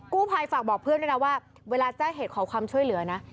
ภัยฝากบอกเพื่อนด้วยนะว่าเวลาแจ้งเหตุขอความช่วยเหลือนะ